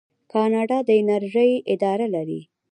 کاناډا د انرژۍ اداره لري.